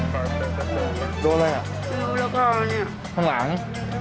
ใครอ่ะโดนอะไรอ่ะซื้อแล้วก็เนี่ยข้างหลัง